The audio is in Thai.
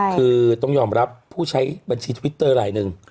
คือต้องยอมรับผู้ใช้บัญชีทวิตเตอร์ลายหนึ่ง